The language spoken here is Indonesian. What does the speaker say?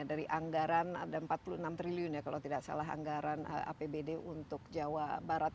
dari anggaran ada empat puluh enam triliun ya kalau tidak salah anggaran apbd untuk jawa barat